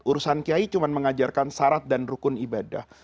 urusan kiai cuma mengajarkan syarat dan rukun ibadah